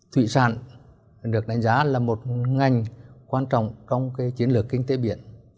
thủy sản được đánh giá là một ngành quan trọng trong chiến lược kinh tế biển